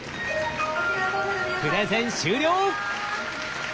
プレゼン終了！